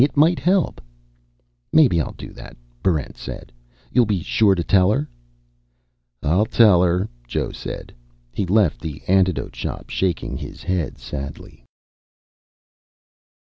It might help." "Maybe I'll do that," Barrent said. "You'll be sure to tell her?" "I'll tell her," Joe said. He left the Antidote Shop shaking his head sadly.